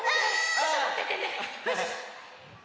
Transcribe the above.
ちょっとまっててね。